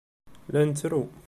La nettru.